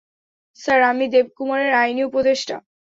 Sir, আমি দেবকুমারের আইনি উপদেষ্টা।